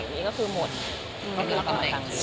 แล้วคุณขอบคุณของคุณ